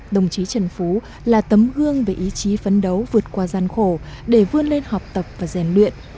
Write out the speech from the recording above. đồng chí trần phú là tấm gương về ý chí phấn đấu vượt qua gian khổ để vươn lên học tập và rèn luyện